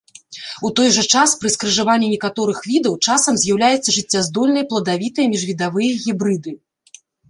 У той жа час пры скрыжаванні некаторых відаў часам з'яўляюцца жыццяздольныя пладавітыя міжвідавыя гібрыды.